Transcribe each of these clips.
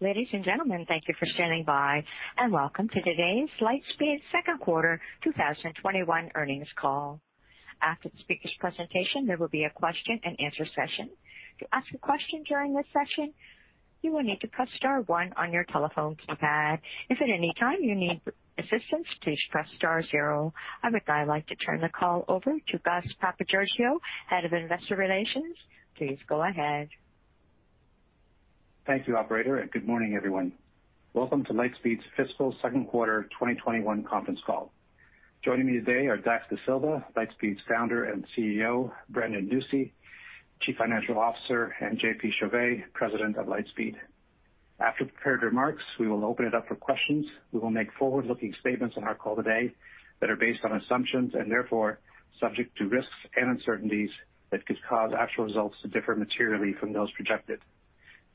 Ladies and gentlemen, thank you for standing by, and welcome to today's Lightspeed second quarter 2021 earnings call. After the speaker's presentation, there will be a question-and-answer session. I would now like to turn the call over to Gus Papageorgiou, Head of Investor Relations. Please go ahead. Thank you, operator, and good morning, everyone. Welcome to Lightspeed's fiscal second quarter 2021 conference call. Joining me today are Dax Dasilva, Lightspeed's Founder and CEO, Brandon Nussey, Chief Financial Officer, and JP Chauvet, President of Lightspeed. After the prepared remarks, we will open it up for questions. We will make forward-looking statements on our call today that are based on assumptions and therefore subject to risks and uncertainties that could cause actual results to differ materially from those projected.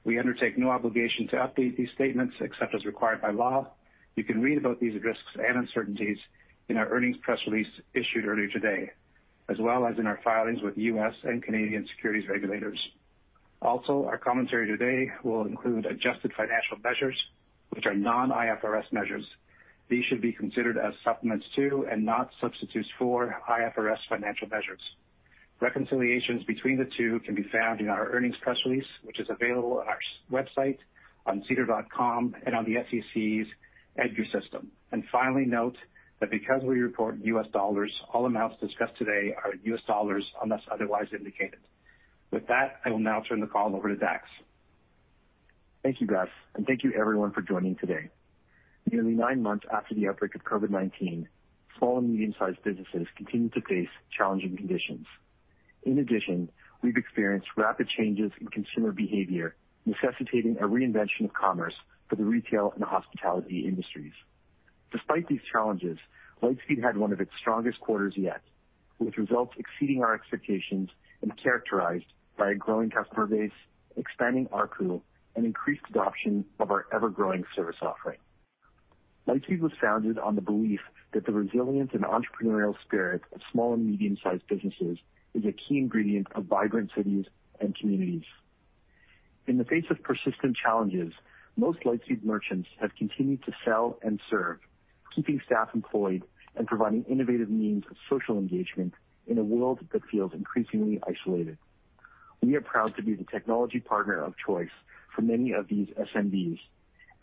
We undertake no obligation to update these statements except as required by law. You can read about these risks and uncertainties in our earnings press release issued earlier today, as well as in our filings with U.S. and Canadian securities regulators. Also, our commentary today will include adjusted financial measures, which are non-IFRS measures. These should be considered as supplements to and not substitutes for IFRS financial measures. Reconciliations between the two can be found in our earnings press release, which is available on our website, on sedar.com and on the SEC's EDGAR system. Finally, note that because we report in U.S. dollars, all amounts discussed today are U.S. dollars unless otherwise indicated. I will now turn the call over to Dax. Thank you, Gus, and thank you everyone for joining today. Nearly nine months after the outbreak of COVID-19, small and medium-sized businesses continue to face challenging conditions. We've experienced rapid changes in consumer behavior, necessitating a reinvention of commerce for the retail and hospitality industries. Despite these challenges, Lightspeed had one of its strongest quarters yet, with results exceeding our expectations and characterized by a growing customer base, expanding ARPU, and increased adoption of our ever-growing service offering. Lightspeed was founded on the belief that the resilience and entrepreneurial spirit of small and medium-sized businesses is a key ingredient of vibrant cities and communities. In the face of persistent challenges, most Lightspeed merchants have continued to sell and serve, keeping staff employed and providing innovative means of social engagement in a world that feels increasingly isolated. We are proud to be the technology partner of choice for many of these SMBs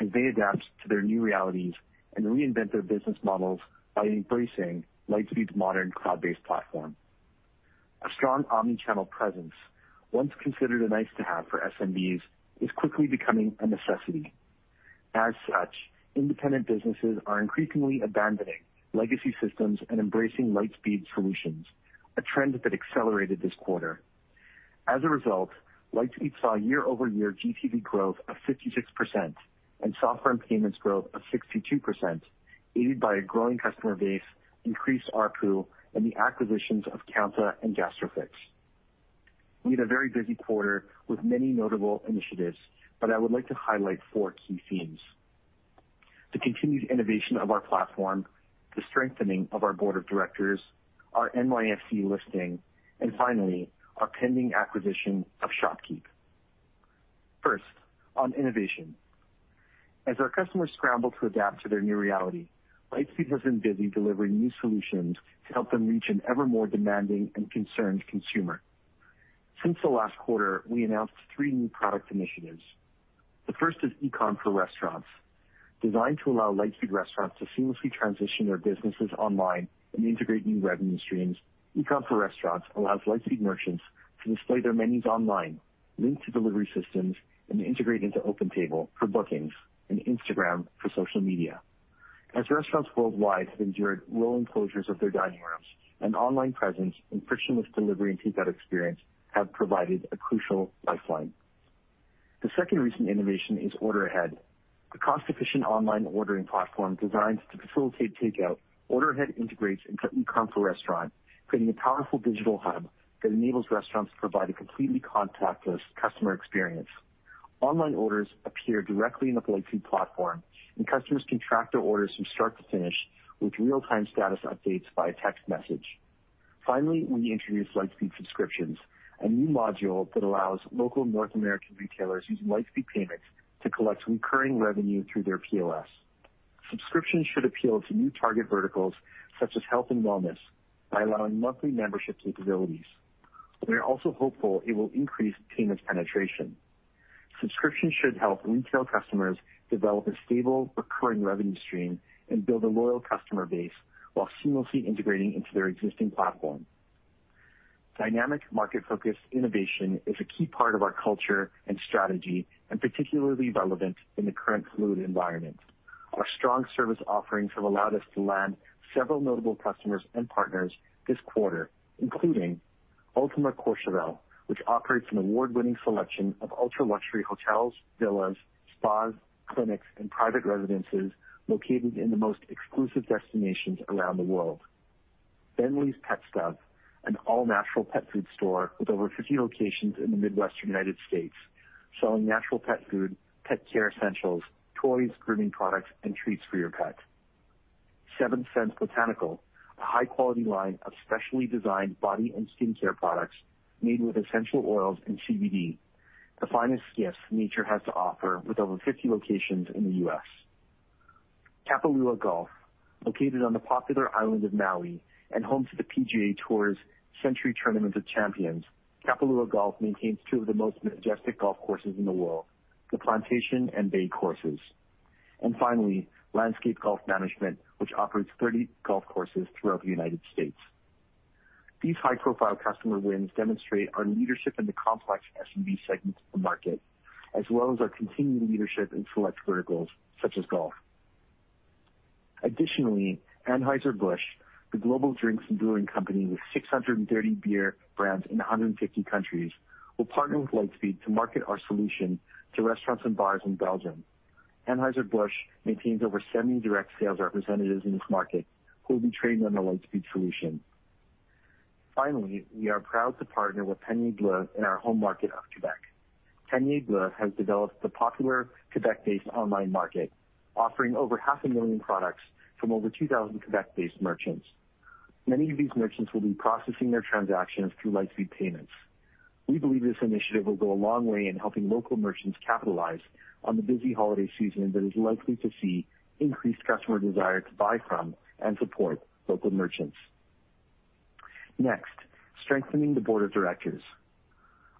as they adapt to their new realities and reinvent their business models by embracing Lightspeed's modern cloud-based platform. A strong omnichannel presence, once considered a nice-to-have for SMBs, is quickly becoming a necessity. As such, independent businesses are increasingly abandoning legacy systems and embracing Lightspeed solutions, a trend that accelerated this quarter. As a result, Lightspeed saw year-over-year GTV growth of 56% and software and payments growth of 62%, aided by a growing customer base, increased ARPU, and the acquisitions of Kounta and Gastrofix. We had a very busy quarter with many notable initiatives, but I would like to highlight four key themes. The continued innovation of our platform, the strengthening of our board of directors, our NYSE listing, and finally, our pending acquisition of ShopKeep. First, on innovation. As our customers scramble to adapt to their new reality, Lightspeed has been busy delivering new solutions to help them reach an ever more demanding and concerned consumer. Since the last quarter, we announced three new product initiatives. The first is eCom for Restaurant. Designed to allow Lightspeed restaurants to seamlessly transition their businesses online and integrate new revenue streams, eCom for Restaurant allows Lightspeed merchants to display their menus online, link to delivery systems, and integrate into OpenTable for bookings and Instagram for social media. As restaurants worldwide have endured long closures of their dining rooms, an online presence and frictionless delivery and takeout experience have provided a crucial lifeline. The second recent innovation is Order Ahead. A cost-efficient online ordering platform designed to facilitate takeout, Order Ahead integrates into eCom for Restaurant, creating a powerful digital hub that enables restaurants to provide a completely contactless customer experience. Online orders appear directly in the Lightspeed platform, and customers can track their orders from start to finish with real-time status updates via text message. Finally, we introduced Lightspeed Subscriptions, a new module that allows local North American retailers using Lightspeed Payments to collect recurring revenue through their POS. Subscriptions should appeal to new target verticals such as health and wellness by allowing monthly membership capabilities. We are also hopeful it will increase payments penetration. Subscriptions should help retail customers develop a stable recurring revenue stream and build a loyal customer base while seamlessly integrating into their existing platform. Dynamic market-focused innovation is a key part of our culture and strategy, and particularly relevant in the current fluid environment. Our strong service offerings have allowed us to land several notable customers and partners this quarter, including Ultima Collection, which operates an award-winning selection of ultra-luxury hotels, villas, spas, clinics, and private residences located in the most exclusive destinations around the world. Bentley's Pet Stuff, an all-natural pet food store with over 50 locations in the Midwest United States, selling natural pet food, pet care essentials, toys, grooming products, and treats for your pet. Seventh Sense Botanical Therapy, a high-quality line of specially designed body and skincare products made with essential oils and CBD, the finest gifts nature has to offer, with over 50 locations in the U.S. Kapalua Golf, located on the popular island of Maui and home to the PGA Tour's Sentry Tournament of Champions. Kapalua Golf maintains two of the most majestic golf courses in the world, the Plantation and Bay courses. Finally, Landscape Golf Management, which operates 30 golf courses throughout the U.S. These high-profile customer wins demonstrate our leadership in the complex SMB segments of the market, as well as our continuing leadership in select verticals such as golf. Additionally, Anheuser-Busch, the global drinks and brewing company with 630 beer brands in 150 countries, will partner with Lightspeed to market our solution to restaurants and bars in Belgium. Anheuser-Busch maintains over 70 direct sales representatives in this market who will be trained on the Lightspeed solution. Finally, we are proud to partner with Panier Bleu in our home market of Quebec. Panier Bleu has developed the popular Quebec-based online market, offering over half a million products from over 2,000 Quebec-based merchants. Many of these merchants will be processing their transactions through Lightspeed Payments. We believe this initiative will go a long way in helping local merchants capitalize on the busy holiday season that is likely to see increased customer desire to buy from and support local merchants. Strengthening the board of directors.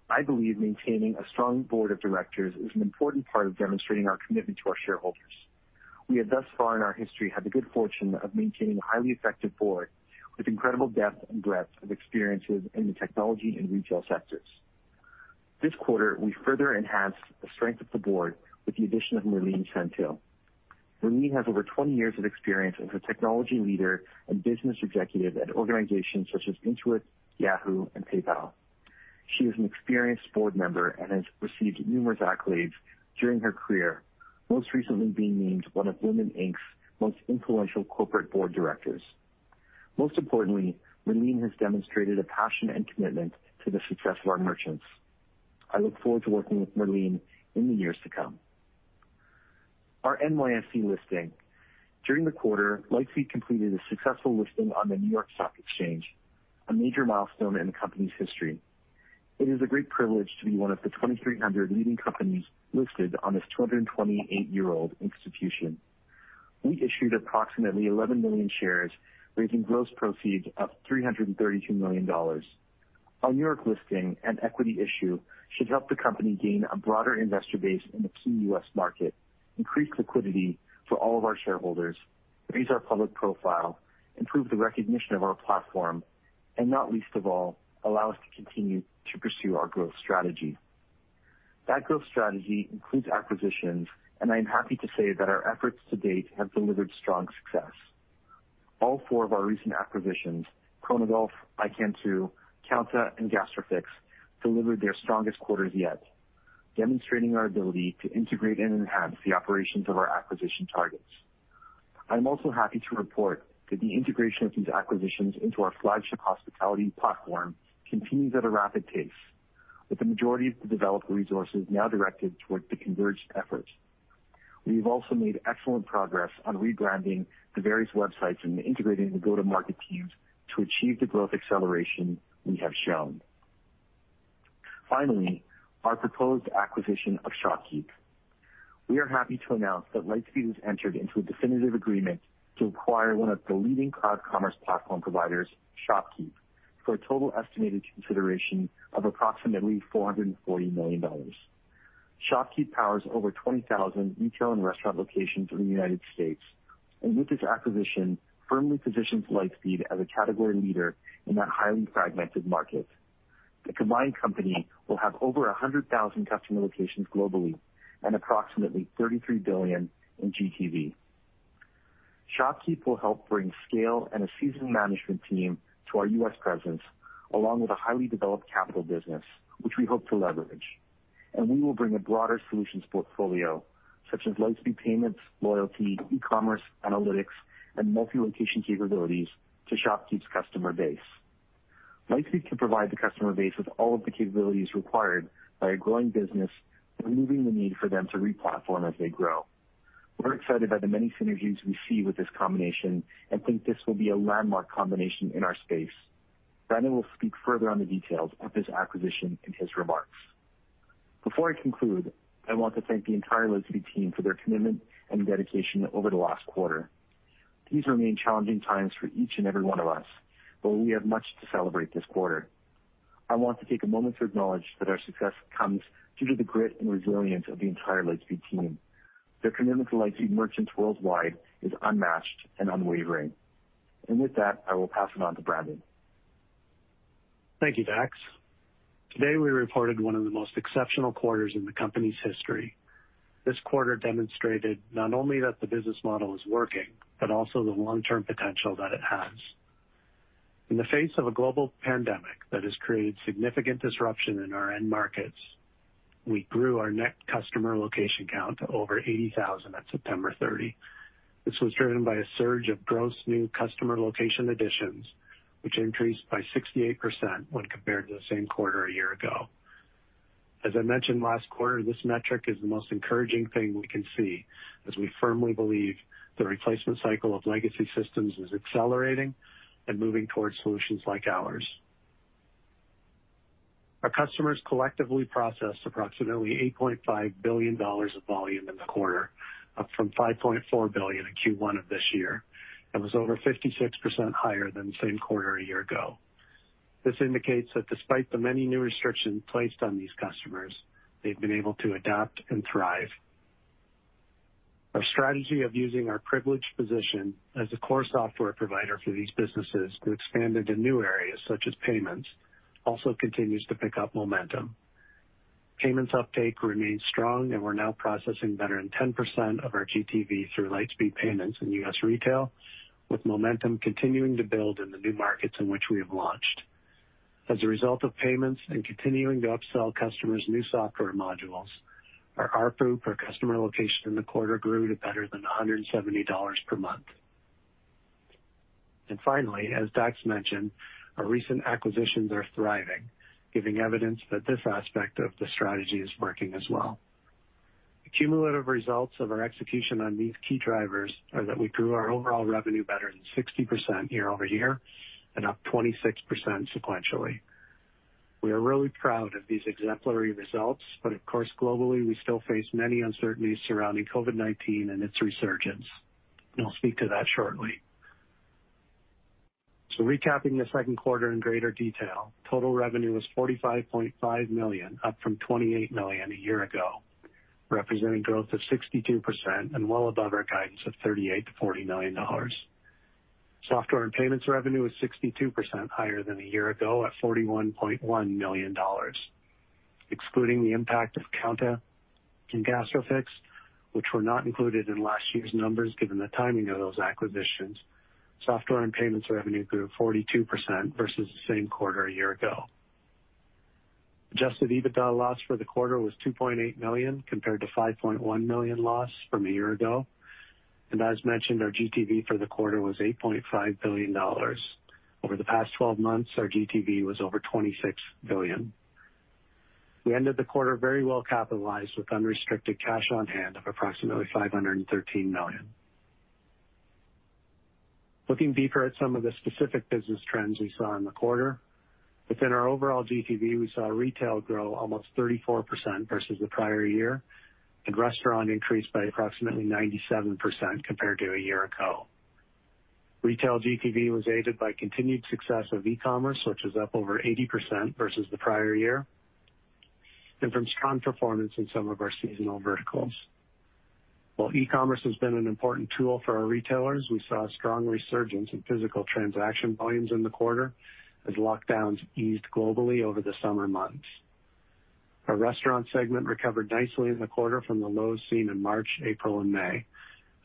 I believe maintaining a strong board of directors is an important part of demonstrating our commitment to our shareholders. We have thus far in our history had the good fortune of maintaining a highly effective board with incredible depth and breadth of experiences in the technology and retail sectors. This quarter, we further enhanced the strength of the board with the addition of Merline Saintil. Merline has over 20 years of experience as a technology leader and business executive at organizations such as Intuit, Yahoo, and PayPal. She is an experienced board member and has received numerous accolades during her career, most recently being named one of WomenInc.'s most influential corporate board directors. Most importantly, Merline has demonstrated a passion and commitment to the success of our merchants. I look forward to working with Merline in the years to come. Our NYSE listing. During the quarter, Lightspeed completed a successful listing on the New York Stock Exchange, a major milestone in the company's history. It is a great privilege to be one of the 2,300 leading companies listed on this 228-year-old institution. We issued approximately 11 million shares, raising gross proceeds of $332 million. Our New York listing and equity issue should help the company gain a broader investor base in the key U.S. market, increase liquidity for all of our shareholders, raise our public profile, improve the recognition of our platform, and not least of all, allow us to continue to pursue our growth strategy. That growth strategy includes acquisitions, and I am happy to say that our efforts to date have delivered strong success. All four of our recent acquisitions, Chronogolf, iKentoo, Kounta, and Gastrofix, delivered their strongest quarters yet, demonstrating our ability to integrate and enhance the operations of our acquisition targets. I'm also happy to report that the integration of these acquisitions into our flagship hospitality platform continues at a rapid pace, with the majority of the developer resources now directed toward the converged efforts. We've also made excellent progress on rebranding the various websites and integrating the go-to-market teams to achieve the growth acceleration we have shown. Finally, our proposed acquisition of ShopKeep. We are happy to announce that Lightspeed has entered into a definitive agreement to acquire one of the leading cloud commerce platform providers, ShopKeep, for a total estimated consideration of approximately $440 million. ShopKeep powers over 20,000 retail and restaurant locations in the United States, and with this acquisition, firmly positions Lightspeed as a category leader in that highly fragmented market. The combined company will have over 100,000 customer locations globally and approximately 33 billion in GTV. ShopKeep will help bring scale and a seasoned management team to our U.S. presence, along with a highly developed capital business, which we hope to leverage. We will bring a broader solutions portfolio, such as Lightspeed Payments, Lightspeed Loyalty, e-commerce, Lightspeed Analytics, and multi-location capabilities to ShopKeep's customer base. Lightspeed can provide the customer base with all of the capabilities required by a growing business, removing the need for them to re-platform as they grow. We're excited by the many synergies we see with this combination and think this will be a landmark combination in our space. Brandon will speak further on the details of this acquisition in his remarks. Before I conclude, I want to thank the entire Lightspeed team for their commitment and dedication over the last quarter. These remain challenging times for each and every one of us, but we have much to celebrate this quarter. I want to take a moment to acknowledge that our success comes due to the grit and resilience of the entire Lightspeed team. Their commitment to Lightspeed merchants worldwide is unmatched and unwavering. With that, I will pass it on to Brandon. Thank you, Dax. Today, we reported one of the most exceptional quarters in the company's history. This quarter demonstrated not only that the business model is working, but also the long-term potential that it has. In the face of a global pandemic that has created significant disruption in our end markets, we grew our net customer location count to over 80,000 on September 30. This was driven by a surge of gross new customer location additions, which increased by 68% when compared to the same quarter a year ago. As I mentioned last quarter, this metric is the most encouraging thing we can see, as we firmly believe the replacement cycle of legacy systems is accelerating and moving towards solutions like ours. Our customers collectively processed approximately $8.5 billion of volume in the quarter, up from $5.4 billion in Q1 of this year. That was over 56% higher than the same quarter a year ago. This indicates that despite the many new restrictions placed on these customers, they've been able to adapt and thrive. Our strategy of using our privileged position as a core software provider for these businesses to expand into new areas such as payments also continues to pick up momentum. Payments uptake remains strong, and we're now processing better than 10% of our GTV through Lightspeed Payments in U.S. retail, with momentum continuing to build in the new markets in which we have launched. As a result of payments and continuing to upsell customers new software modules, our ARPU per customer location in the quarter grew to better than $170 per month. Finally, as Dax mentioned, our recent acquisitions are thriving, giving evidence that this aspect of the strategy is working as well. The cumulative results of our execution on these key drivers are that we grew our overall revenue better than 60% year-over-year and up 26% sequentially. We are really proud of these exemplary results. Of course, globally, we still face many uncertainties surrounding COVID-19 and its resurgence. I'll speak to that shortly. Recapping the second quarter in greater detail, total revenue was $45.5 million, up from $28 million a year ago, representing growth of 62% and well above our guidance of $38 million-$40 million. Software and payments revenue is 62% higher than a year ago at $41.1 million. Excluding the impact of Kounta and Gastrofix, which were not included in last year's numbers given the timing of those acquisitions, software and payments revenue grew 42% versus the same quarter a year ago. Adjusted EBITDA loss for the quarter was $2.8 million, compared to $5.1 million loss from a year ago. As mentioned, our GTV for the quarter was $8.5 billion. Over the past 12 months, our GTV was over $26 billion. We ended the quarter very well capitalized with unrestricted cash on hand of approximately $513 million. Looking deeper at some of the specific business trends we saw in the quarter, within our overall GTV, we saw retail grow almost 34% versus the prior year, and restaurant increase by approximately 97% compared to a year ago. Retail GTV was aided by continued success of e-commerce, which was up over 80% versus the prior year, and from strong performance in some of our seasonal verticals. While e-commerce has been an important tool for our retailers, we saw a strong resurgence in physical transaction volumes in the quarter as lockdowns eased globally over the summer months. Our restaurant segment recovered nicely in the quarter from the lows seen in March, April, and May.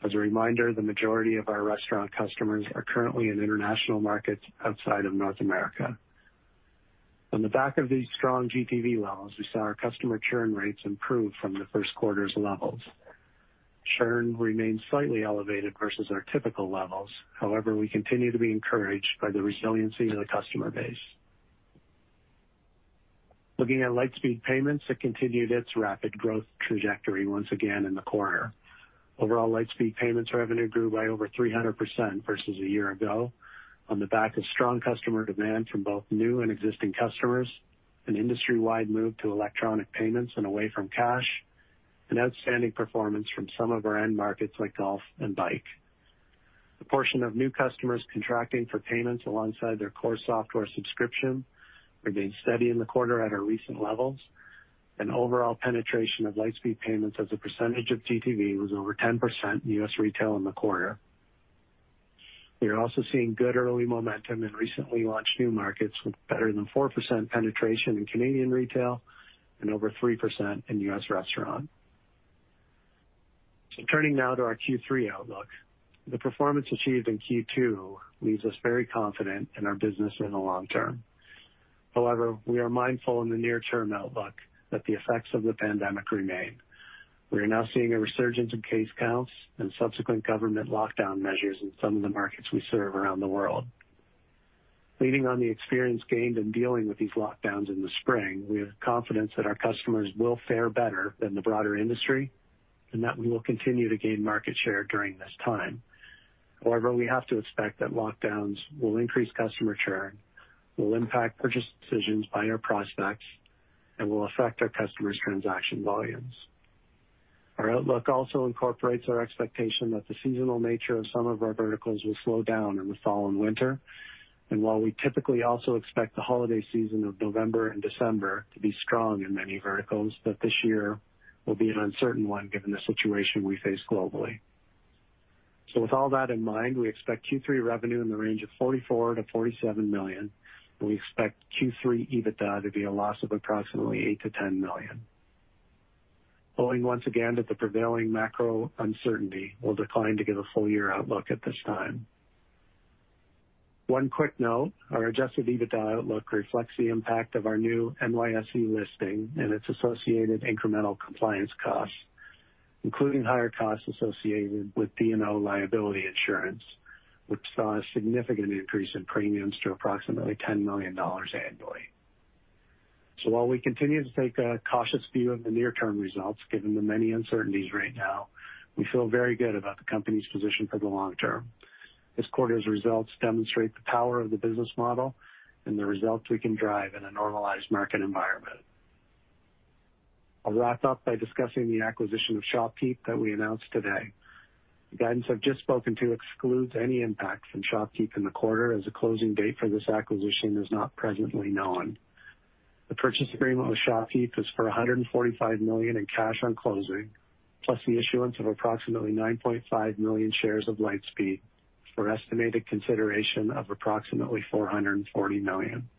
As a reminder, the majority of our restaurant customers are currently in international markets outside of North America. On the back of these strong GTV levels, we saw our customer churn rates improve from the first quarter's levels. Churn remains slightly elevated versus our typical levels. However, we continue to be encouraged by the resiliency of the customer base. Looking at Lightspeed Payments, it continued its rapid growth trajectory once again in the quarter. Overall Lightspeed Payments revenue grew by over 300% versus a year ago on the back of strong customer demand from both new and existing customers, an industry-wide move to electronic payments and away from cash, and outstanding performance from some of our end markets like golf and bike. The portion of new customers contracting for payments alongside their core software subscription remained steady in the quarter at our recent levels. Overall penetration of Lightspeed Payments as a percentage of GTV was over 10% in U.S. retail in the quarter. Turning now to our Q3 outlook. The performance achieved in Q2 leaves us very confident in our business in the long term. However, we are mindful in the near-term outlook that the effects of the pandemic remain. We are now seeing a resurgence in case counts and subsequent government lockdown measures in some of the markets we serve around the world. Leading on the experience gained in dealing with these lockdowns in the spring, we have confidence that our customers will fare better than the broader industry and that we will continue to gain market share during this time. However, we have to expect that lockdowns will increase customer churn, will impact purchase decisions by our prospects, and will affect our customers' transaction volumes. Our outlook also incorporates our expectation that the seasonal nature of some of our verticals will slow down in the fall and winter. While we typically also expect the holiday season of November and December to be strong in many verticals, that this year will be an uncertain one given the situation we face globally. With all that in mind, we expect Q3 revenue in the range of $44 million-$47 million, and we expect Q3 EBITDA to be a loss of approximately $8 million-$10 million. Owing once again to the prevailing macro uncertainty, we'll decline to give a full year outlook at this time. One quick note, our adjusted EBITDA outlook reflects the impact of our new NYSE listing and its associated incremental compliance costs. Including higher costs associated with D&O liability insurance, which saw a significant increase in premiums to approximately $10 million annually. While we continue to take a cautious view of the near-term results, given the many uncertainties right now, we feel very good about the company's position for the long term. This quarter's results demonstrate the power of the business model and the results we can drive in a normalized market environment. I'll wrap up by discussing the acquisition of ShopKeep that we announced today. The guidance I've just spoken to excludes any impact from ShopKeep in the quarter, as a closing date for this acquisition is not presently known. The purchase agreement with ShopKeep is for $145 million in cash on closing, plus the issuance of approximately 9.5 million shares of Lightspeed for estimated consideration of approximately $440 million.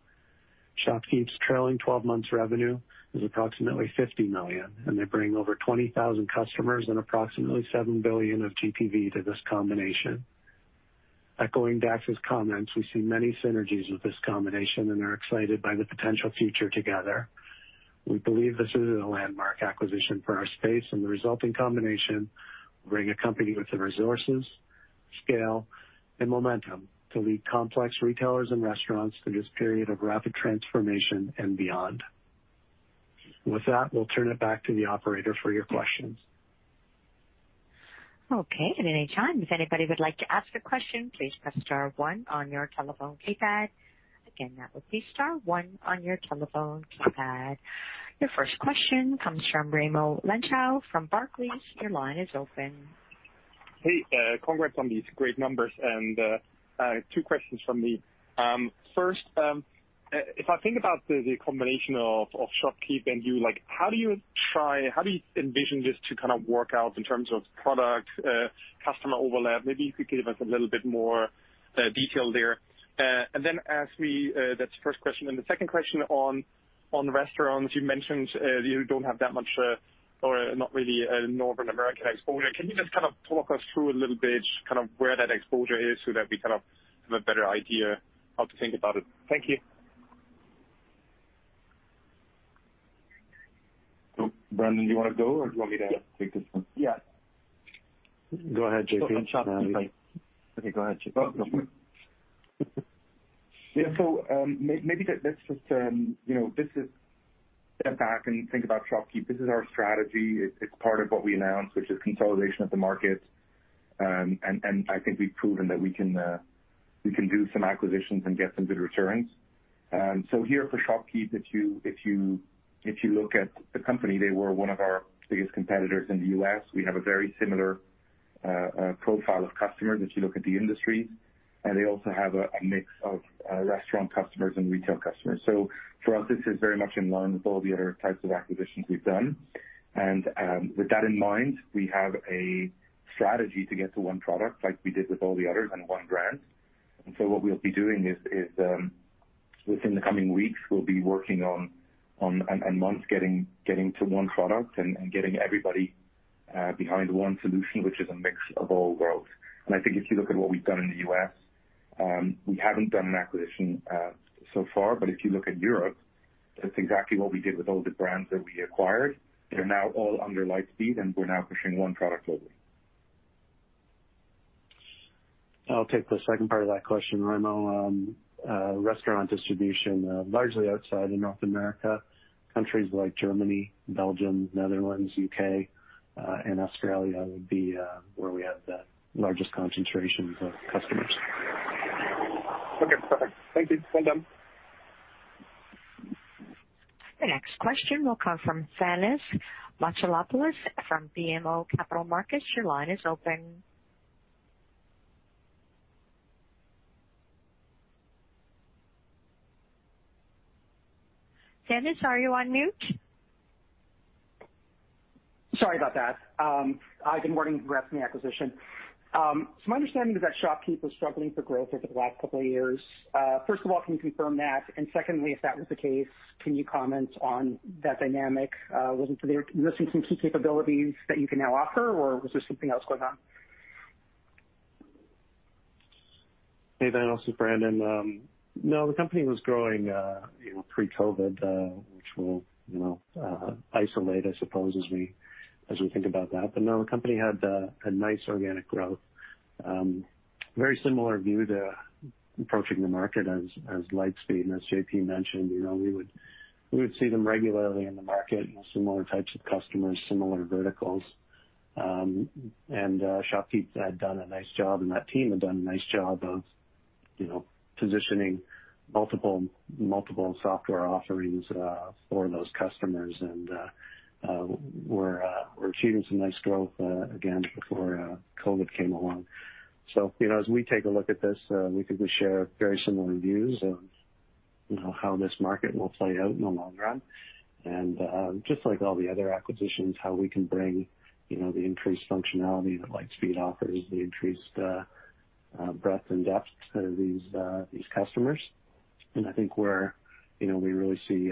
ShopKeep's trailing 12 months revenue is approximately $50 million, and they bring over 20,000 customers and approximately 7 billion of GPV to this combination. Echoing Dax's comments, we see many synergies with this combination and are excited by the potential future together. We believe this is a landmark acquisition for our space, and the resulting combination will bring a company with the resources, scale, and momentum to lead complex retailers and restaurants through this period of rapid transformation and beyond. With that, we'll turn it back to the operator for your questions. Okay. At any time, if anybody would like to ask a question, please press star one on your telephone keypad. Again, that would be star one on your telephone keypad. Your first question comes from Raimo Lenschow from Barclays. Your line is open. Hey, congrats on these great numbers. Two questions from me. First, if I think about the combination of ShopKeep and you, how do you envision this to work out in terms of product-customer overlap? Maybe you could give us a little bit more detail there. That's the first question. The second question on restaurants, you mentioned, you don't have that much or not really a North American exposure. Can you just talk us through a little bit, just where that exposure is so that we have a better idea how to think about it? Thank you. Brandon, do you want to go, or do you want me to take this one? Yeah. Go ahead, JP. Okay, go ahead, JP. Yeah. Maybe let's just step back and think about ShopKeep. This is our strategy. It's part of what we announced, which is consolidation of the market. I think we've proven that we can do some acquisitions and get some good returns. Here for ShopKeep, if you look at the company, they were one of our biggest competitors in the U.S. We have a very similar profile of customers if you look at the industry, and they also have a mix of restaurant customers and retail customers. For us, this is very much in line with all the other types of acquisitions we've done. With that in mind, we have a strategy to get to one product like we did with all the others in one brand. What we'll be doing is, within the coming weeks, we'll be working on, and months, getting to one product and getting everybody behind one solution, which is a mix of all worlds. I think if you look at what we've done in the U.S., we haven't done an acquisition so far, but if you look at Europe, that's exactly what we did with all the brands that we acquired. They're now all under Lightspeed, we're now pushing one product globally. I'll take the second part of that question, Raimo. Restaurant distribution, largely outside of North America, countries like Germany, Belgium, Netherlands, U.K., and Australia would be where we have the largest concentrations of customers. Okay, perfect. Thank you. Well done. The next question will come from Thanos Moschopoulos from BMO Capital Markets. Your line is open. Thanos, are you on mute? Sorry about that. CoNgrats on the acquisition. My understanding is that ShopKeep was struggling for growth over the last couple of years. First of all, can you confirm that? Secondly, if that was the case, can you comment on that dynamic? Was it some key capabilities that you can now offer, or was there something else going on? Hey, Thanos. It's Brandon. The company was growing pre-COVID, which we'll isolate, I suppose, as we think about that. The company had a nice organic growth. Very similar view to approaching the market as Lightspeed. As JP mentioned, we would see them regularly in the market, similar types of customers, similar verticals. ShopKeep had done a nice job, and that team had done a nice job of positioning multiple software offerings for those customers and were achieving some nice growth, again before COVID came along. As we take a look at this, we could share very similar views of how this market will play out in the long run. Just like all the other acquisitions, how we can bring the increased functionality that Lightspeed offers, the increased breadth and depth to these customers. I think where we really see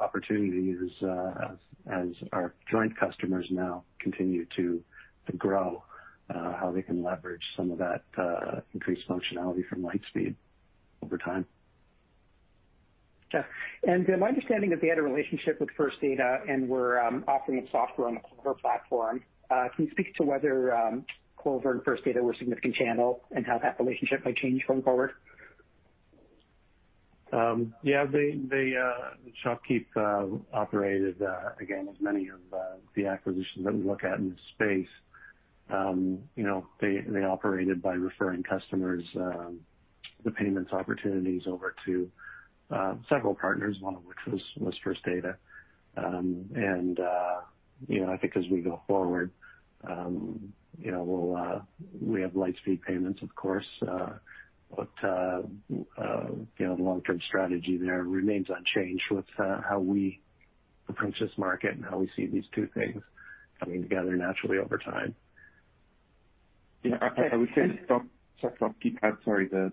opportunity as our joint customers now continue to grow, how they can leverage some of that increased functionality from Lightspeed over time. Yeah. My understanding is that they had a relationship with First Data and were offering up software on the Clover platform. Can you speak to whether Clover and First Data were a significant channel and how that relationship might change going forward? Yeah. ShopKeep operated, again, as many of the acquisitions that we look at in the space. They operated by referring customers, the payments opportunities over to several partners, one of which was First Data. I think as we go forward, we have Lightspeed Payments, of course, but the long-term strategy there remains unchanged with how we approach this market and how we see these two things coming together naturally over time. Yeah. I would say ShopKeep had, sorry, the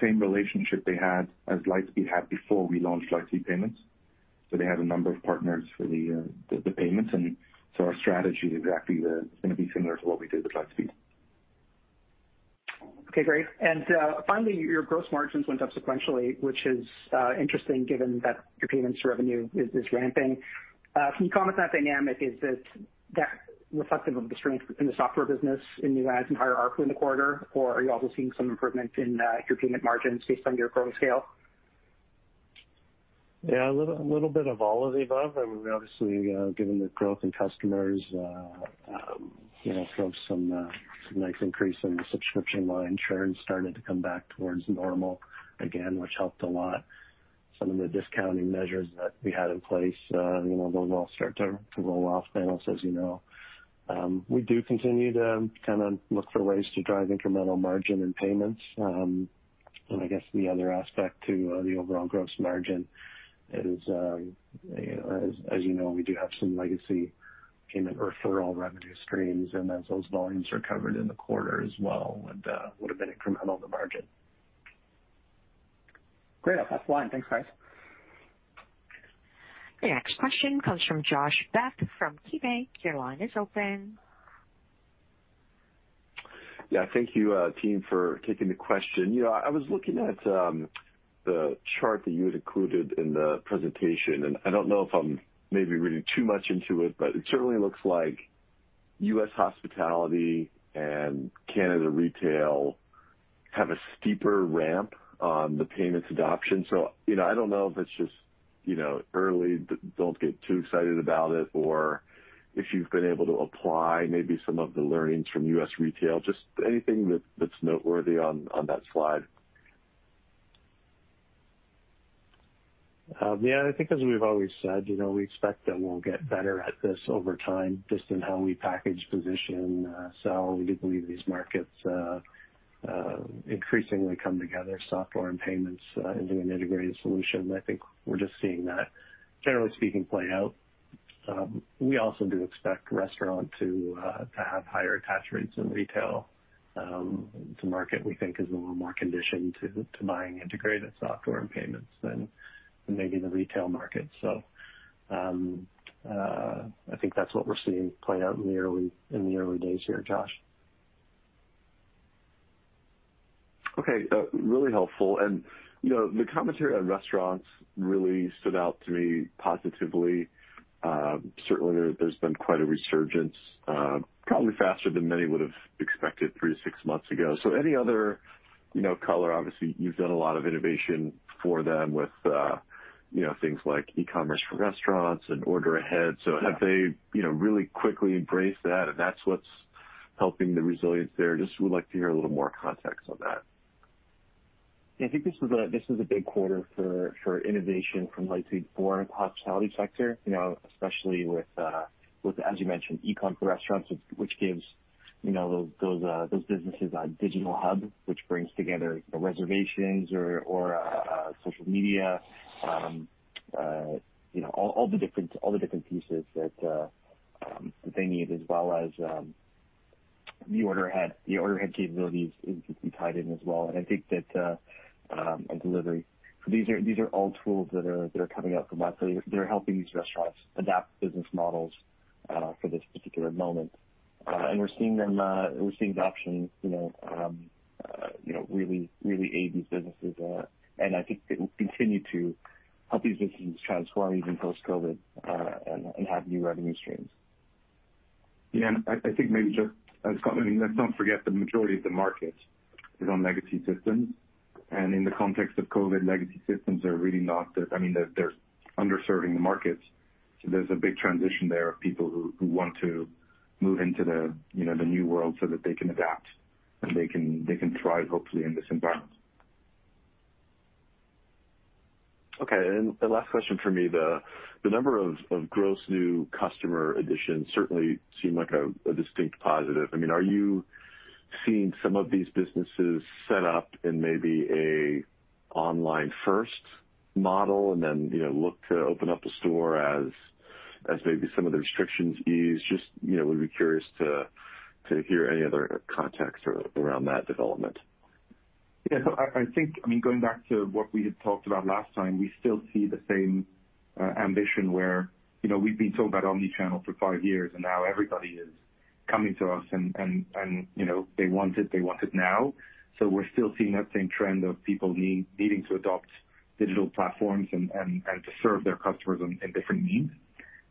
same relationship they had as Lightspeed had before we launched Lightspeed Payments. They had a number of partners for the payments. Our strategy is exactly the same, it's going to be similar to what we did with Lightspeed. Okay, great. Finally, your gross margins went up sequentially, which is interesting given that your payments revenue is ramping. Can you comment on that dynamic? Is that reflective of the strength in the software business in new adds and higher ARPU in the quarter? Are you also seeing some improvement in your payment margins based on your growth scale? Yeah. A little bit of all of the above. I mean, obviously, given the growth in customers, saw some nice increase in the subscription line. Churn started to come back towards normal again, which helped a lot. Some of the discounting measures that we had in place, those will all start to roll off, Dax, as you know. We do continue to look for ways to drive incremental margin and payments. I guess the other aspect to the overall gross margin is, as you know, we do have some legacy payment referral revenue streams, and as those volumes are covered in the quarter as well, would have been incremental to margin. Great. That's fine. Thanks, guys. The next question comes from Josh Beck from KeyBanc. Your line is open. Yeah. Thank you, team, for taking the question. I was looking at the chart that you had included in the presentation, and I don't know if I'm maybe reading too much into it, but it certainly looks like U.S. hospitality and Canada retail have a steeper ramp on the payments adoption. I don't know if it's just early, don't get too excited about it, or if you've been able to apply maybe some of the learnings from U.S. retail, just anything that's noteworthy on that slide? I think as we've always said, we expect that we'll get better at this over time, just in how we package, position, sell. We do believe these markets increasingly come together, software and payments into an integrated solution. I think we're just seeing that, generally speaking, play out. We also do expect restaurant to have higher attach rates than retail. It's a market we think is a little more conditioned to buying integrated software and payments than maybe the retail market. I think that's what we're seeing play out in the early days here, Josh. Okay. Really helpful. The commentary on restaurants really stood out to me positively. Certainly, there's been quite a resurgence, probably faster than many would've expected three to six months ago. Any other color? Obviously, you've done a lot of innovation for them with things like eCom for Restaurant and Order Ahead. Yeah. Have they really quickly embraced that and that's what's helping the resilience there? Just would like to hear a little more context on that. Yeah, I think this is a big quarter for innovation from Lightspeed for hospitality sector, especially with, as you mentioned, eCom for Restaurant, which gives those businesses a digital hub, which brings together the reservations or social media, all the different pieces that they need, as well as the Order Ahead capabilities can be tied in as well, and delivery. These are all tools that are coming out from us that are helping these restaurants adapt business models for this particular moment. We're seeing adoption really aid these businesses. I think it will continue to help these businesses transform even post-COVID, and have new revenue streams. Yeah. I think maybe just, Josh Beck, I mean, let's not forget the majority of the market is on legacy systems. In the context of COVID-19, legacy systems are really not there. I mean, they're underserving the markets. There's a big transition there of people who want to move into the new world so that they can adapt and they can thrive, hopefully, in this environment. Okay. The last question from me, the number of gross new customer additions certainly seem like a distinct positive. I mean, are you seeing some of these businesses set up in maybe an online first model and then look to open up a store as maybe some of the restrictions ease? Just would be curious to hear any other context around that development. Yeah. I think, I mean, going back to what we had talked about last time, we still see the same ambition where we've been told about omnichannel for five years, and now everybody is Coming to us, and they want it now. We're still seeing that same trend of people needing to adopt digital platforms and to serve their customers in different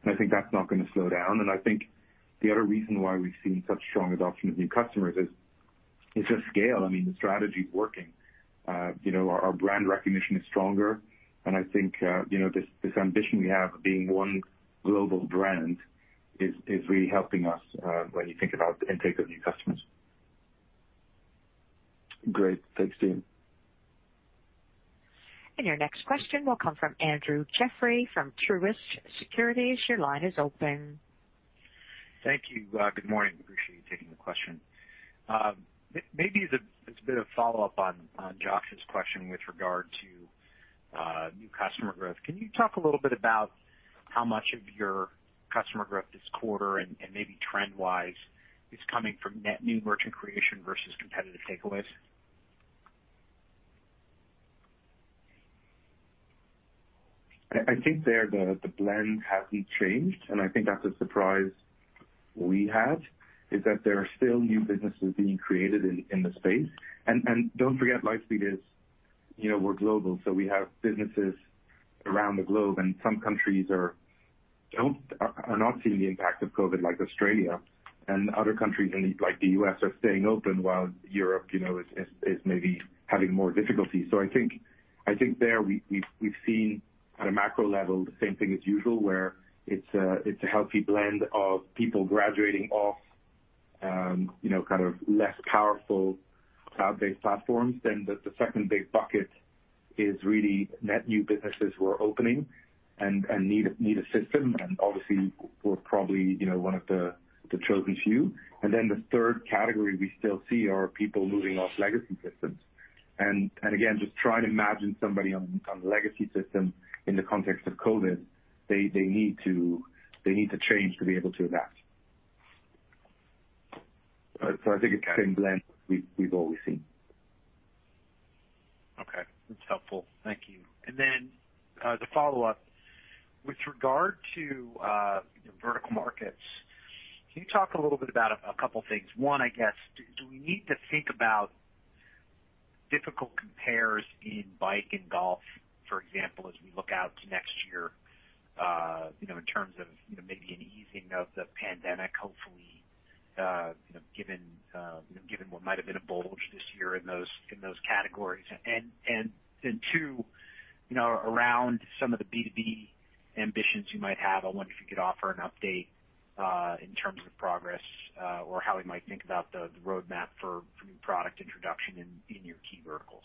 needs. I think that's not going to slow down. I think the other reason why we've seen such strong adoption of new customers is just scale. I mean, the strategy's working. Our brand recognition is stronger, and I think, this ambition we have of being one global brand is really helping us when you think about the intake of new customers. Great. Thanks, team. Your next question will come from Andrew Jeffrey from Truist Securities. Thank you. Good morning. Appreciate you taking the question. Maybe it's a bit of a follow-up on Josh's question with regard to new customer growth. Can you talk a little bit about how much of your customer growth this quarter, and maybe trend-wise, is coming from net new merchant creation versus competitive takeaways? I think there the blend hasn't changed, and I think that's a surprise we had, is that there are still new businesses being created in the space. Don't forget, Lightspeed, we're global, so we have businesses around the globe, and some countries are not seeing the impact of COVID, like Australia. Other countries, like the U.S., are staying open while Europe is maybe having more difficulty. I think there we've seen on a macro level the same thing as usual, where it's a healthy blend of people graduating off less powerful cloud-based platforms. The second big bucket is really net new businesses who are opening and need a system, and obviously we're probably one of the chosen few. The third category we still see are people moving off legacy systems. Again, just try to imagine somebody on a legacy system in the context of COVID. They need to change to be able to adapt. I think it's the same blend we've always seen. Okay. That's helpful. Thank you. The follow-up, with regard to vertical markets, can you talk a little bit about a couple things? One, I guess, do we need to think about difficult compares in bike and golf, for example, as we look out to next year, in terms of maybe an easing of the pandemic, hopefully, given what might've been a bulge this year in those categories? Two, around some of the B2B ambitions you might have, I wonder if you could offer an update, in terms of progress, or how we might think about the roadmap for new product introduction in your key verticals.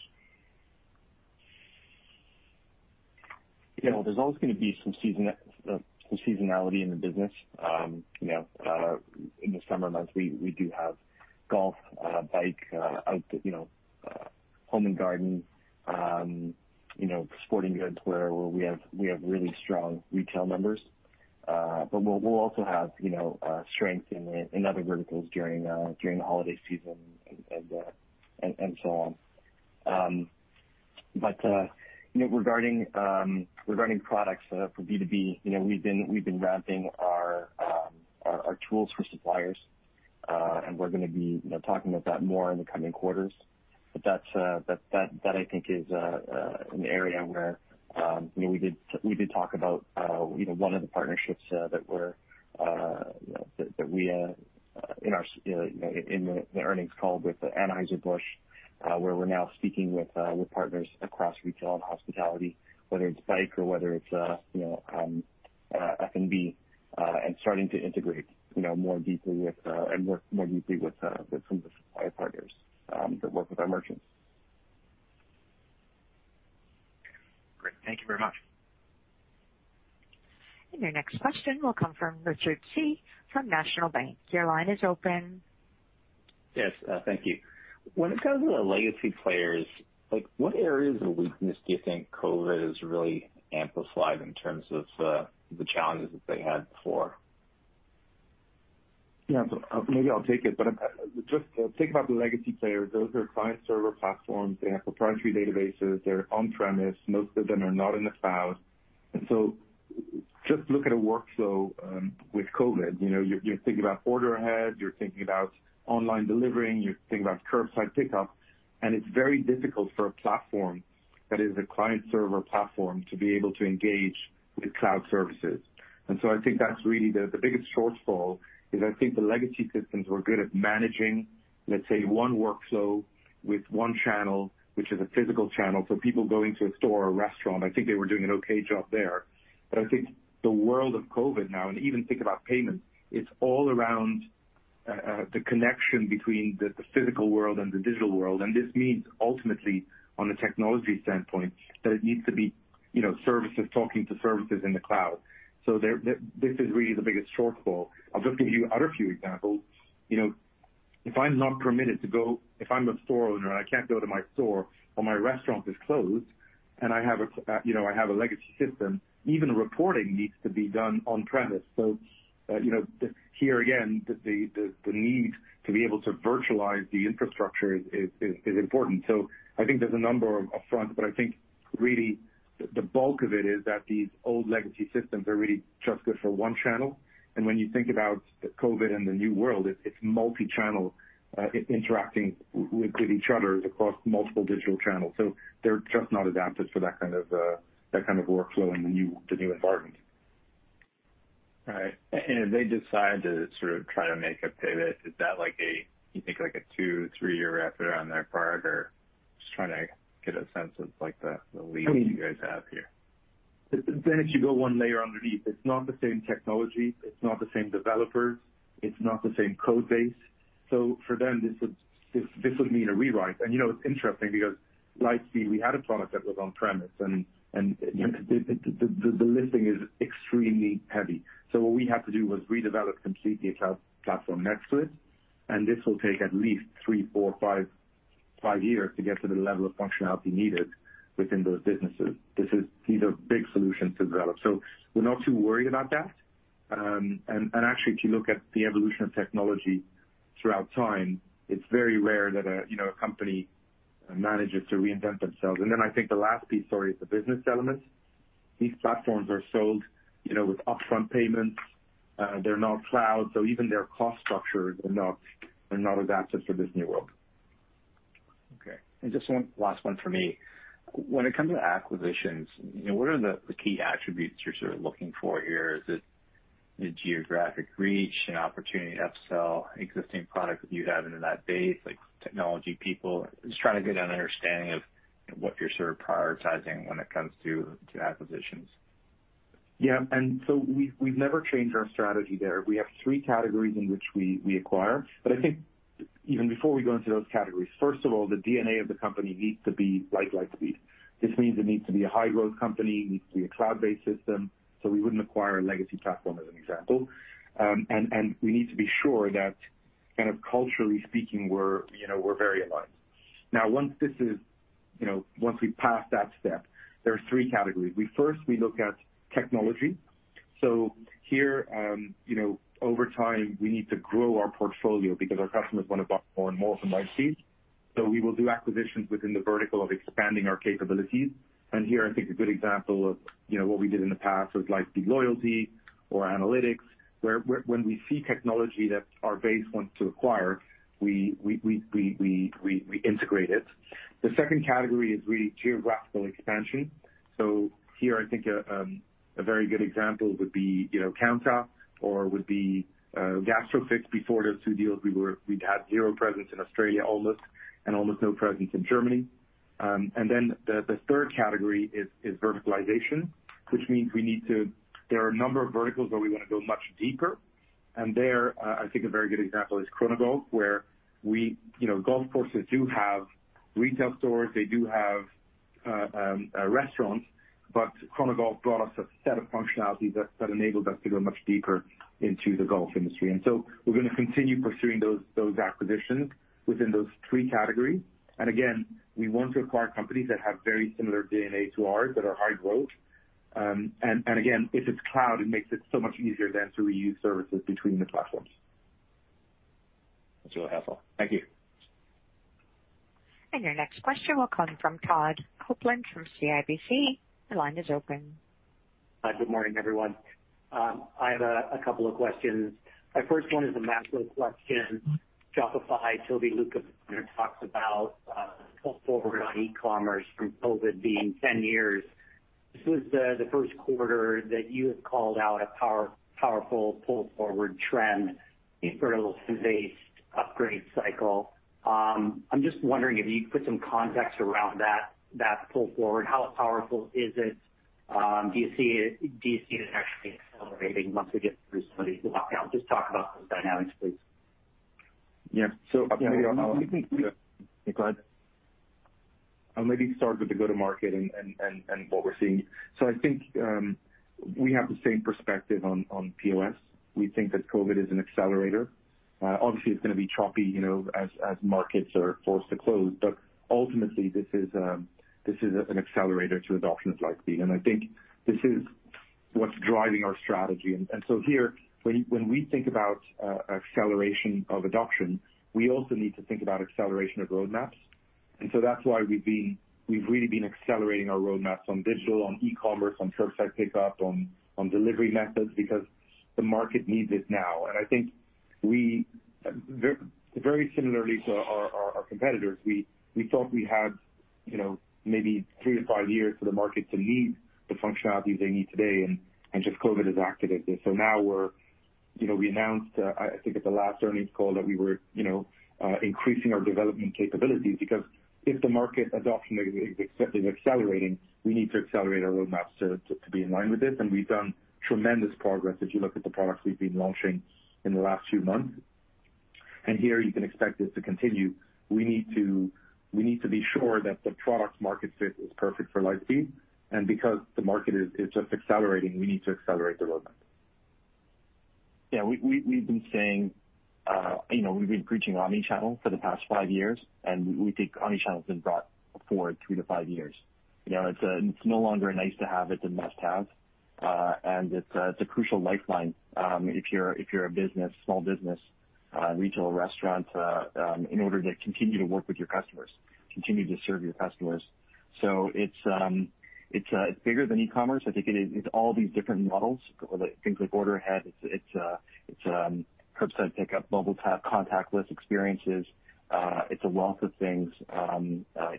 There's always going to be some seasonality in the business. In the summer months, we do have golf, bike, home and garden, sporting goods, where we have really strong retail numbers. We'll also have strength in other verticals during the holiday season and so on. Regarding products for B2B, we've been ramping our tools for suppliers, and we're going to be talking about that more in the coming quarters. That, I think, is an area where we did talk about one of the partnerships that we had in the earnings call with Anheuser-Busch, where we're now speaking with partners across retail and hospitality, whether it's bike or whether it's F&B, and starting to integrate more deeply with some of the supplier partners that work with our merchants. Great. Thank you very much. Your next question will come from Richard Tse from National Bank. Your line is open. Yes. Thank you. When it comes to the legacy players, what areas of weakness do you think COVID-19 has really amplified in terms of the challenges that they had before? Yeah. Maybe I'll take it. Just think about the legacy players. Those are client-server platforms. They have proprietary databases. They're on-premise. Most of them are not in the cloud. Just look at a workflow with COVID-19. You're thinking about Order Ahead, you're thinking about online delivering, you're thinking about curbside pickup. It's very difficult for a platform that is a client-server platform to be able to engage with cloud services. I think that's really the biggest shortfall, is I think the legacy systems were good at managing, let's say, one workflow with one channel, which is a physical channel. People going to a store or a restaurant, I think they were doing an okay job there. I think the world of COVID-19 now, and even think about payments, it's all around the connection between the physical world and the digital world. This means ultimately, on the technology standpoint, that it needs to be services talking to services in the cloud. This is really the biggest shortfall. I'll just give you other few examples. If I'm a store owner and I can't go to my store or my restaurant is closed and I have a legacy system, even reporting needs to be done on premise. Here again, the need to be able to virtualize the infrastructure is important. I think there's a number of fronts, but I think really the bulk of it is that these old legacy systems are really just good for one channel. When you think about COVID and the new world, it's multichannel interacting with each other across multiple digital channels. They're just not adapted for that kind of workflow in the new environment. Right. If they decide to try to make a pivot, is that, you think, a two, three-year effort on their part? Or just trying to get a sense of the lead you guys have here. If you go 1 layer underneath, it's not the same technology, it's not the same developers, it's not the same code base. For them, this would mean a rewrite. It's interesting because Lightspeed, we had a product that was on-premise, and the lifting is extremely heavy. What we had to do was redevelop completely a cloud platform next to it, and this will take at least 3, 4, 5 years to get to the level of functionality needed within those businesses. These are big solutions to develop. We're not too worried about that. Actually, if you look at the evolution of technology throughout time, it's very rare that a company manages to reinvent themselves. Then I think the last piece, sorry, is the business element. These platforms are sold with upfront payments. They're not cloud, so even their cost structures are not as apt for this new world. Okay. Just one last one from me. When it comes to acquisitions, what are the key attributes you're sort of looking for here? Is it the geographic reach, an opportunity to upsell existing products that you have into that base, like technology people? Just trying to get an understanding of what you're sort of prioritizing when it comes to acquisitions. Yeah. We've never changed our strategy there. We have three categories in which we acquire. I think even before we go into those categories, first of all, the DNA of the company needs to be like Lightspeed. This means it needs to be a high-growth company, needs to be a cloud-based system, so we wouldn't acquire a legacy platform, as an example. And we need to be sure that kind of culturally speaking, we're very aligned. Now, once we pass that step, there are three categories. First, we look at technology. Here, over time, we need to grow our portfolio because our customers want to buy more and more from Lightspeed. So we will do acquisitions within the vertical of expanding our capabilities. Here, I think a good example of what we did in the past was Lightspeed Loyalty or Analytics, where when we see technology that our base wants to acquire, we integrate it. The second category is really geographical expansion. Here, I think a very good example would be Kounta or would be Gastrofix. Before those 2 deals, we'd had 0 presence in Australia almost, and almost no presence in Germany. The third category is verticalization, which means there are a number of verticals where we want to go much deeper. There, I think a very good example is Chronogolf, where golf courses do have retail stores, they do have restaurants, but Chronogolf brought us a set of functionalities that enabled us to go much deeper into the golf industry. We're going to continue pursuing those acquisitions within those 3 categories. Again, we want to acquire companies that have very similar DNA to ours, that are high growth. Again, if it's cloud, it makes it so much easier then to reuse services between the platforms. That's really helpful. Thank you. Your next question will come from Todd Coupland from CIBC. Your line is open. Hi. Good morning, everyone. I have a couple of questions. My first one is a macro question. Shopify, Tobi Lütke talks about pull forward on e-commerce from COVID-19 being 10 years. This was the first quarter that you had called out a powerful pull-forward trend in terms of a base upgrade cycle. I'm just wondering if you could put some context around that pull forward. How powerful is it? Do you see it actually accelerating once we get through some of these lockdowns? Just talk about those dynamics, please. Yeah. Yeah. Yeah. Go ahead. I'll maybe start with the go-to-market and what we're seeing. I think we have the same perspective on POS. We think that COVID is an accelerator. Obviously, it's going to be choppy as markets are forced to close. Ultimately, this is an accelerator to adoption at Lightspeed, and I think this is what's driving our strategy. Here, when we think about acceleration of adoption, we also need to think about acceleration of roadmaps. That's why we've really been accelerating our roadmaps on digital, on e-commerce, on curbside pickup, on delivery methods, because the market needs it now. And I think very similarly to our competitors, we thought we had maybe three to five years for the market to need the functionalities they need today, and just COVID has activated it. Now we announced, I think at the last earnings call, that we were increasing our development capabilities because if the market adoption is accelerating, we need to accelerate our roadmaps to be in line with this. We've done tremendous progress if you look at the products we've been launching in the last few months. Here you can expect this to continue. We need to be sure that the product market fit is perfect for Lightspeed. Because the market is just accelerating, we need to accelerate the roadmap. We've been preaching omnichannel for the past five years. We think omnichannel has been brought forward three to five years. It's no longer a nice to have. It's a must-have. It's a crucial lifeline if you're a small business, retail, restaurant, in order to continue to work with your customers, continue to serve your customers. It's bigger than e-commerce. I think it's all these different models, things like Order Ahead. It's curbside pickup, mobile tap, contactless experiences. It's a wealth of things.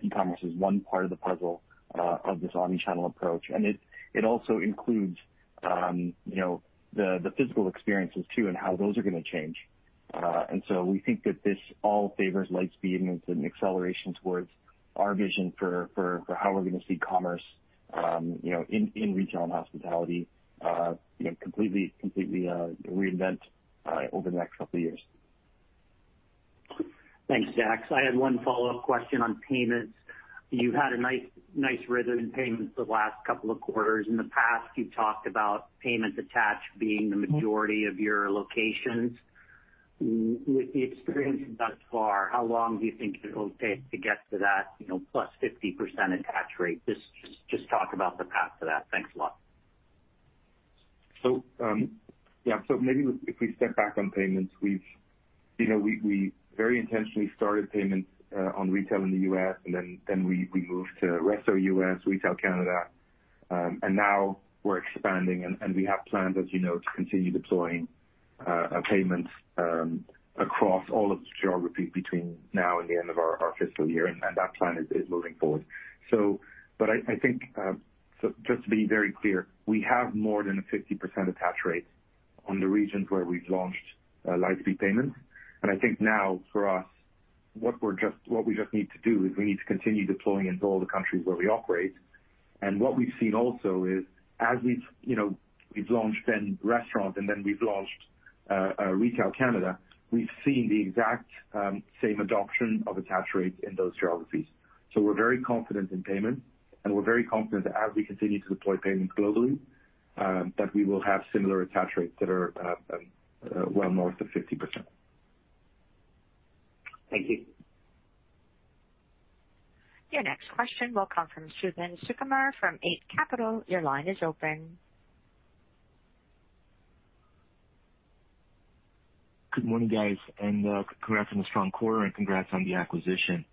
E-commerce is one part of the puzzle of this omnichannel approach. It also includes the physical experiences too, and how those are going to change. We think that this all favors Lightspeed and it's an acceleration towards our vision for how we're going to see commerce in retail and hospitality completely reinvent over the next couple of years. Thanks, Dax. I had 1 follow-up question on payments. You've had a nice rhythm in payments the last couple of quarters. In the past you've talked about payment attach being the majority of your locations. With the experience thus far, how long do you think it'll take to get to that +50% attach rate? Just talk about the path to that. Thanks a lot. Yeah. Maybe if we step back on payments. We very intentionally started payments on retail in the U.S., and then we moved to resto U.S., retail Canada, and now we're expanding, and we have plans, as you know, to continue deploying payments across all of the geography between now and the end of our fiscal year. That plan is moving forward. I think, just to be very clear, we have more than a 50% attach rate on the regions where we've launched Lightspeed Payments. I think now for us, what we just need to do is we need to continue deploying into all the countries where we operate. What we've seen also is as we've launched then restaurant and then we've launched retail Canada, we've seen the exact same adoption of attach rates in those geographies. We're very confident in payments, and we're very confident as we continue to deploy payments globally, that we will have similar attach rates that are well north of 50%. Thank you. Your next question will come from Suthan Sukumar from Eight Capital. Your line is open. Good morning, guys. Congrats on the strong quarter and congrats on the acquisition.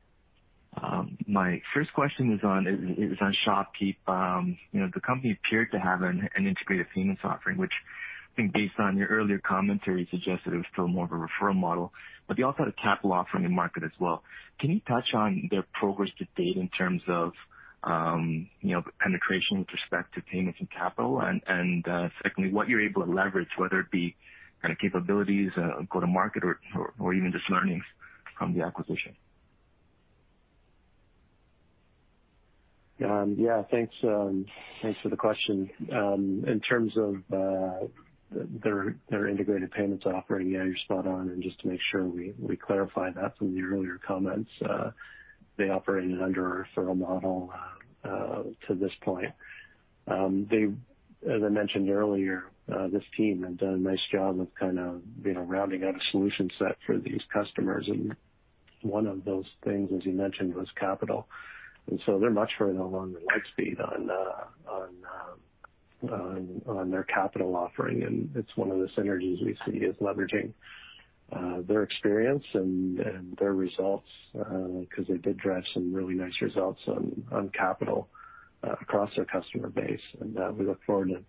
My first question is on ShopKeep. The company appeared to have an integrated payments offering, which I think based on your earlier commentary, suggested it was still more of a referral model, but they also had a capital offering in market as well. Can you touch on their progress to date in terms of penetration with respect to payments and capital? Secondly, what you're able to leverage, whether it be kind of capabilities, go to market or even just learnings from the acquisition. Yeah. Thanks for the question. In terms of their integrated payments offering, you're spot on. Just to make sure we clarify that from the earlier comments, they operated under a referral model to this point. As I mentioned earlier, this team had done a nice job of kind of rounding out a solution set for these customers, and one of those things, as you mentioned, was capital. They're much further along than Lightspeed on their capital offering, and it's one of the synergies we see is leveraging their experience and their results, because they did drive some really nice results on capital across their customer base. We look forward to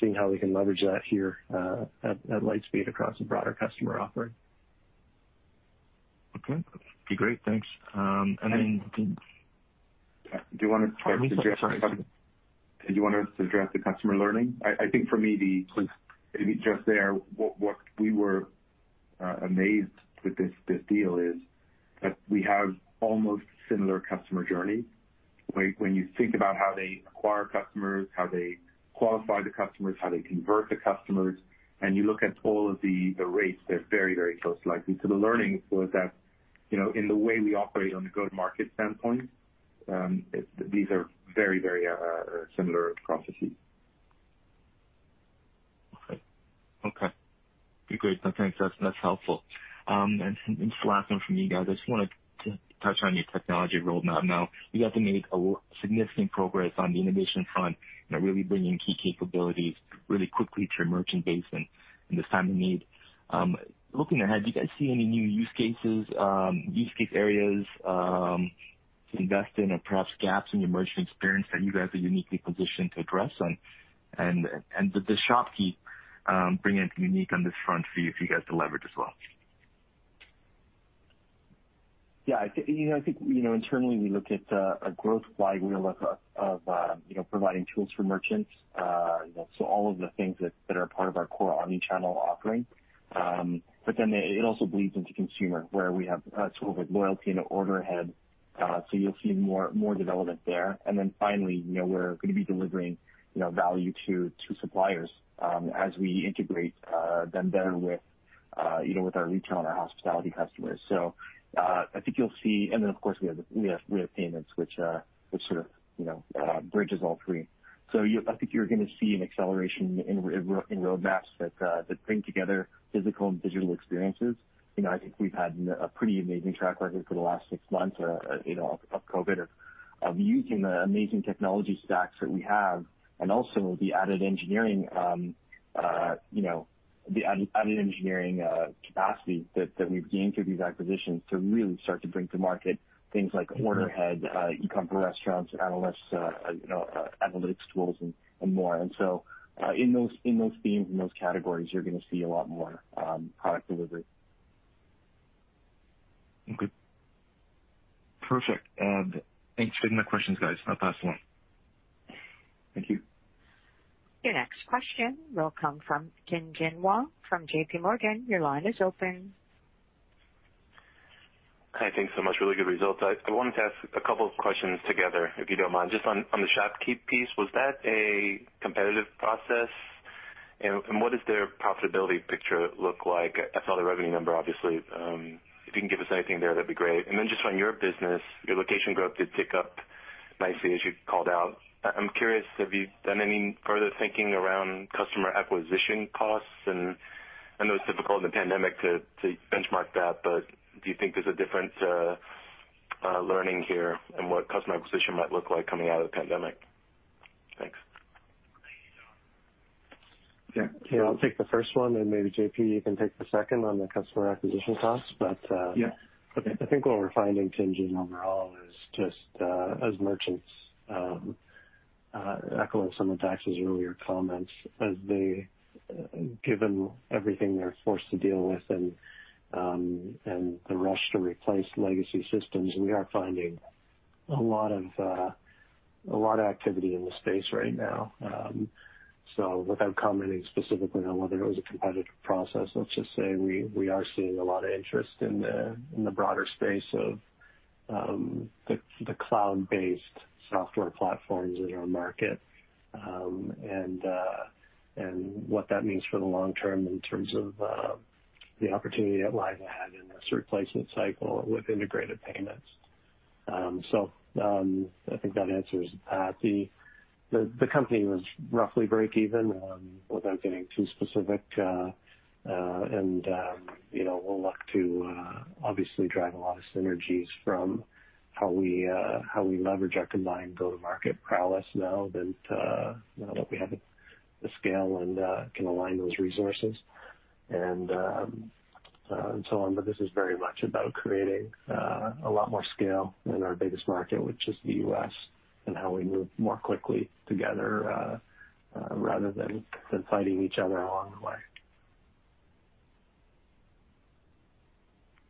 seeing how we can leverage that here at Lightspeed across a broader customer offering. Okay. Great. Thanks. Do you want us to address the customer learning? Please Just there, what we were amazed with this deal is that we have almost similar customer journey. When you think about how they acquire customers, how they qualify the customers, how they convert the customers, and you look at all of the rates, they're very close to Lightspeed. The learning was that, in the way we operate on the go-to-market standpoint, these are very similar processes. Okay. Great. Thanks. That's helpful. Just the last one from me, guys. I just wanted to touch on your technology roadmap. Now, you guys have made significant progress on the innovation front, really bringing key capabilities really quickly to your merchant base in this time of need. Looking ahead, do you guys see any new use cases, use-case areas to invest in or perhaps gaps in your merchant experience that you guys are uniquely positioned to address? Does ShopKeep bring anything unique on this front for you guys to leverage as well? I think internally we look at a growth flywheel of providing tools for merchants, all of the things that are part of our core omnichannel offering. It also bleeds into consumer, where we have a tool with loyalty and Order Ahead. You'll see more development there. Finally, we're going to be delivering value to suppliers as we integrate them better with our retail and our hospitality customers. Of course, we have payments, which sort of bridges all three. I think you're going to see an acceleration in roadmaps that bring together physical and digital experiences. I think we've had a pretty amazing track record for the last six months of COVID, of using the amazing technology stacks that we have and also the added engineering capacity that we've gained through these acquisitions to really start to bring to market things like Order Ahead, eCom for Restaurant, Lightspeed Analytics, and more. In those themes, in those categories, you're going to see a lot more product delivery. Okay. Perfect. Thanks for taking my questions, guys. I'll pass along. Thank you. Your next question will come from Tien-Tsin Huang from JPMorgan. Your line is open. Hi, thanks so much. Really good results. I wanted to ask a couple of questions together, if you don't mind. Just on the ShopKeep piece, was that a competitive process? What does their profitability picture look like? I saw the revenue number, obviously. If you can give us anything there, that'd be great. Just on your business, your location growth did pick up nicely as you called out. I'm curious, have you done any further thinking around customer acquisition costs? I know it's difficult in the pandemic to benchmark that, but do you think there's a different learning here and what customer acquisition might look like coming out of the pandemic? Thanks. Yeah. Yeah, I'll take the first one, and maybe JP, you can take the second on the customer acquisition costs. Yeah. Okay. I think what we're finding, Tien-Tsin, overall is just as merchants, echoing some of Dax Dasilva's earlier comments, given everything they're forced to deal with and the rush to replace legacy systems, we are finding a lot of activity in the space right now. Without commenting specifically on whether it was a competitive process, let's just say we are seeing a lot of interest in the broader space of the cloud-based software platforms in our market, and what that means for the long term in terms of the opportunity that Lightspeed had in this replacement cycle with integrated payments. I think that answers that. The company was roughly breakeven, without getting too specific. We'll look to obviously drive a lot of synergies from how we leverage our combined go-to-market prowess now that we have the scale and can align those resources and so on. This is very much about creating a lot more scale in our biggest market, which is the U.S., and how we move more quickly together rather than fighting each other along the way.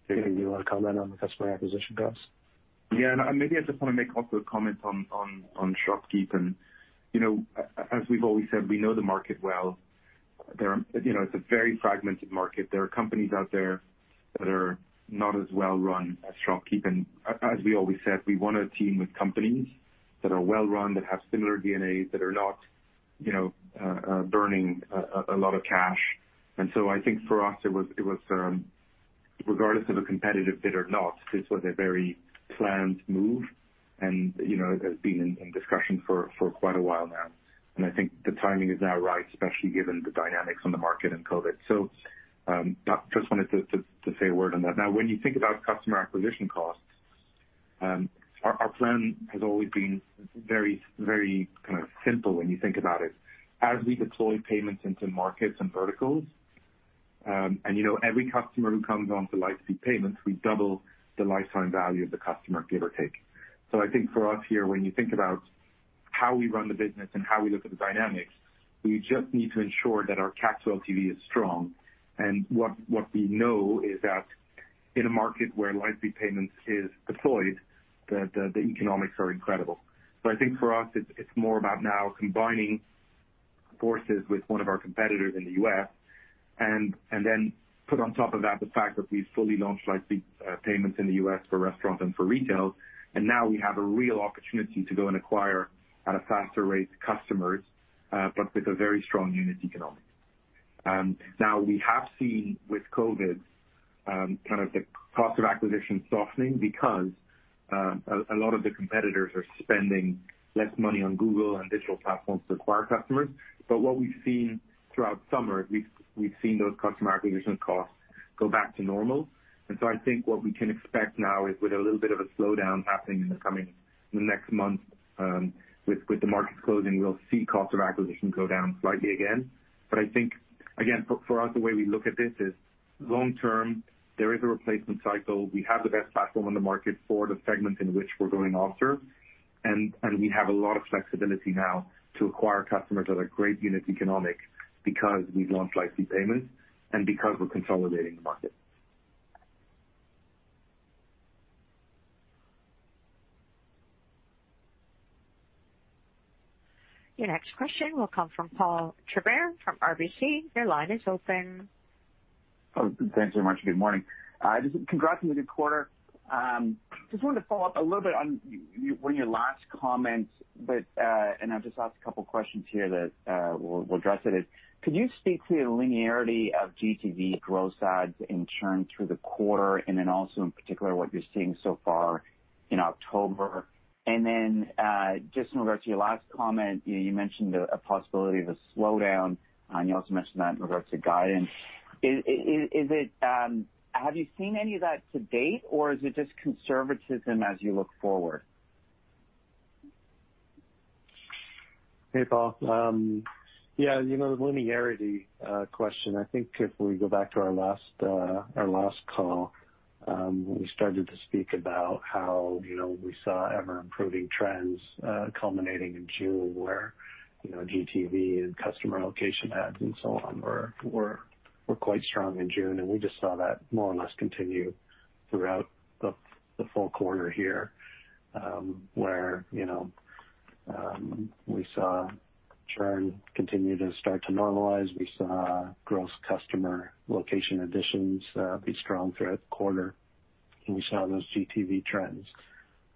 JP., do you want to comment on the customer acquisition costs? Maybe I just want to make also a comment on ShopKeep and as we've always said, we know the market well. It's a very fragmented market. There are companies out there that are not as well run as ShopKeep. As we always said, we want to team with companies that are well run, that have similar DNA, that are not burning a lot of cash. I think for us, regardless of a competitive bid or not, this was a very planned move. It has been in discussion for quite a while now. I think the timing is now right, especially given the dynamics on the market and COVID. Just wanted to say a word on that. When you think about customer acquisition costs, our plan has always been very simple when you think about it. As we deploy payments into markets and verticals, and every customer who comes onto Lightspeed Payments, we double the lifetime value of the customer, give or take. I think for us here, when you think about how we run the business and how we look at the dynamics, we just need to ensure that our CAC to LTV is strong. What we know is that in a market where Lightspeed Payments is deployed, the economics are incredible. I think for us, it's more about now combining forces with one of our competitors in the U.S. and then put on top of that the fact that we've fully launched Lightspeed Payments in the U.S. for restaurant and for retail, and now we have a real opportunity to go and acquire at a faster rate customers, but with a very strong unit economics. We have seen with COVID the cost of acquisition softening because a lot of the competitors are spending less money on Google and digital platforms to acquire customers. What we've seen throughout summer, we've seen those customer acquisition costs go back to normal. I think what we can expect now is with a little bit of a slowdown happening in the next month with the markets closing, we'll see cost of acquisition go down slightly again. I think, again, for us, the way we look at this is long term, there is a replacement cycle. We have the best platform on the market for the segment in which we're going after, and we have a lot of flexibility now to acquire customers at a great unit economic because we've launched Lightspeed Payments and because we're consolidating the market. Your next question will come from Paul Treiber from RBC. Your line is open. Thanks very much. Good morning. Congrats on a good quarter. Just wanted to follow up a little bit on one of your last comments, and I'll just ask a couple questions here that will address it is, could you speak to the linearity of GTV gross adds and churn through the quarter, and then also in particular, what you're seeing so far in October? Just in regards to your last comment, you mentioned a possibility of a slowdown, and you also mentioned that in regards to guidance. Have you seen any of that to date, or is it just conservatism as you look forward? Hey, Paul. Yeah, the linearity question, I think if we go back to our last call, we started to speak about how we saw ever-improving trends culminating in June where GTV and customer location adds and so on were quite strong in June, and we just saw that more or less continue throughout the full quarter here, where we saw churn continue to start to normalize. We saw gross customer location additions be strong throughout the quarter, we saw those GTV trends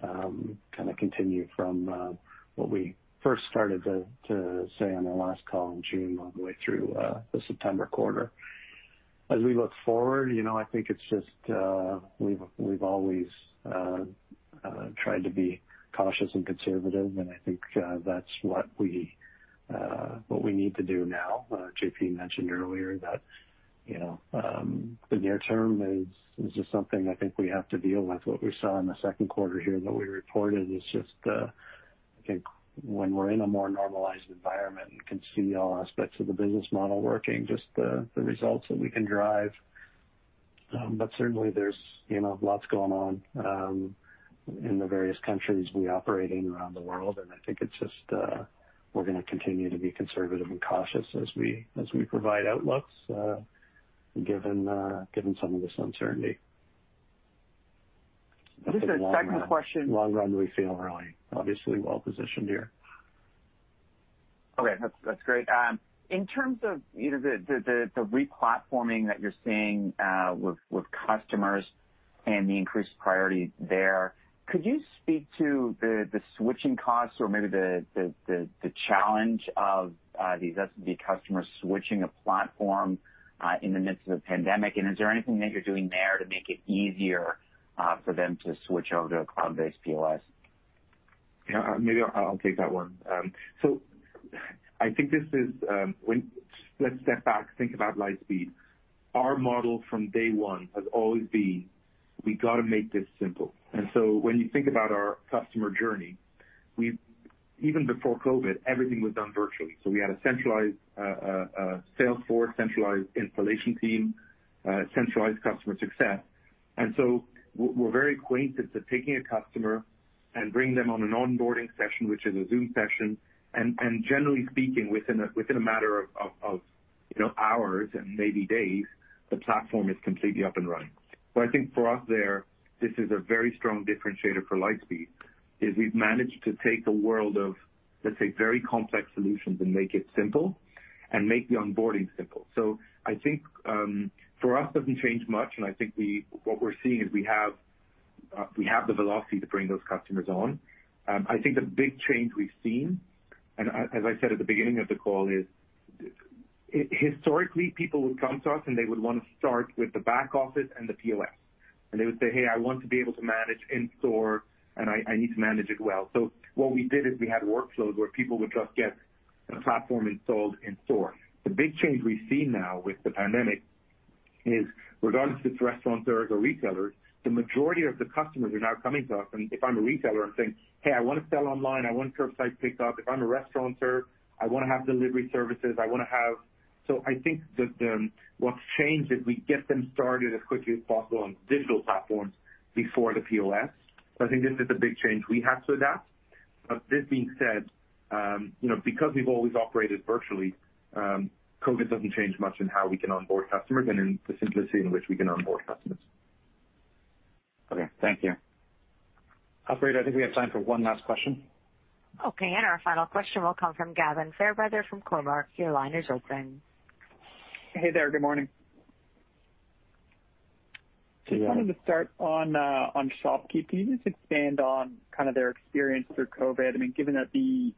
kind of continue from what we first started to say on our last call in June all the way through the September quarter. As we look forward, I think it's just, we've always tried to be cautious and conservative, I think that's what we need to do now. JP mentioned earlier that the near term is just something I think we have to deal with. What we saw in the second quarter here that we reported is just, I think when we're in a more normalized environment and can see all aspects of the business model working, just the results that we can drive. Certainly there's lots going on in the various countries we operate in around the world, and I think it's just, we're going to continue to be conservative and cautious as we provide outlooks, given some of this uncertainty. Just a second question. Long run, we feel really obviously well positioned here. Okay, that's great. In terms of the re-platforming that you're seeing with customers and the increased priority there, could you speak to the switching costs or maybe the challenge of these SMB customers switching a platform in the midst of the pandemic? Is there anything that you're doing there to make it easier for them to switch over to a cloud-based POS? Yeah, maybe I'll take that one. I think this is, let's step back, think about Lightspeed. Our model from day one has always been, we got to make this simple. When you think about our customer journey, we, even before COVID, everything was done virtually. We had a centralized sales force, centralized installation team, centralized customer success. We're very acquainted to taking a customer and bring them on an onboarding session, which is a Zoom session. Generally speaking, within a matter of hours and maybe days, the platform is completely up and running. I think for us there, this is a very strong differentiator for Lightspeed, is we've managed to take a world of, let's say, very complex solutions and make it simple and make the onboarding simple. I think, for us, it doesn't change much. I think what we're seeing is we have the velocity to bring those customers on. I think the big change we've seen, and as I said at the beginning of the call, is historically, people would come to us, and they would want to start with the back office and the POS. They would say, "Hey, I want to be able to manage in-store, and I need to manage it well." What we did is we had workflows where people would just get a platform installed in-store. The big change we see now with the pandemic is regardless if it's restaurateurs or retailers, the majority of the customers are now coming to us. If I'm a retailer and saying, "Hey, I want to sell online, I want curbside pickup." If I'm a restaurateur, I want to have delivery services. I think that what's changed is we get them started as quickly as possible on digital platforms before the POS. I think this is the big change we have to adapt. This being said, because we've always operated virtually, COVID doesn't change much in how we can onboard customers and in the simplicity in which we can onboard customers. Okay, thank you. Operator, I think we have time for one last question. Okay, our final question will come from Gavin Fairweather from Cowen. Your line is open. Hey there. Good morning. Yeah. Just wanted to start on ShopKeep. Can you just expand on kind of their experience through COVID? I mean, given that the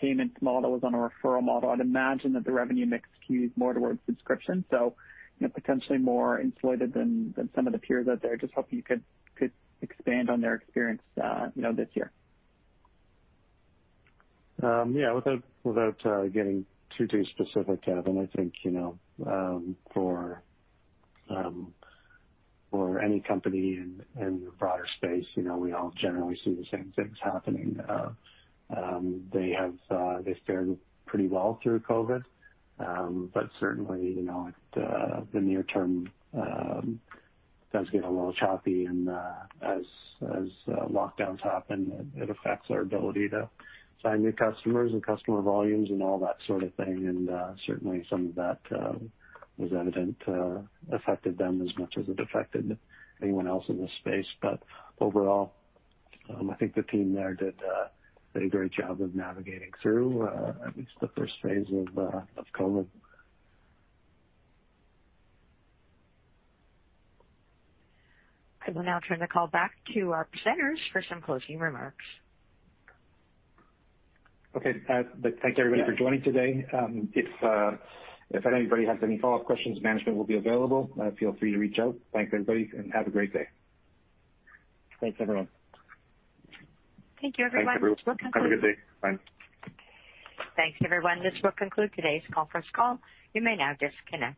payments model was on a referral model, I'd imagine that the revenue mix skewed more towards subscription, so potentially more insulated than some of the peers out there. Just hoping you could expand on their experience this year. Without getting too specific, Gavin, I think for any company in the broader space, we all generally see the same things happening. They've fared pretty well through COVID-19. Certainly, the near term does get a little choppy and as lockdowns happen, it affects our ability to sign new customers and customer volumes and all that sort of thing. Certainly, some of that was evident, affected them as much as it affected anyone else in the space. Overall, I think the team there did a very great job of navigating through at least the first phase of COVID-19. I will now turn the call back to our presenters for some closing remarks. Okay. Thank you everybody for joining today. If anybody has any follow-up questions, management will be available. Feel free to reach out. Thank you, everybody, and have a great day. Thanks, everyone. Thank you, everyone. This will conclude. Have a good day. Bye. Thanks, everyone. This will conclude today's conference call. You may now disconnect.